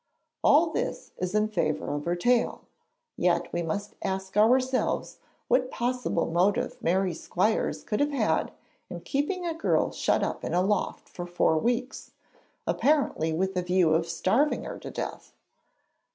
All this is in favour of her tale. Yet we must ask ourselves what possible motive Mary Squires could have had in keeping a girl shut up in a loft for four weeks, apparently with a view of starving her to death?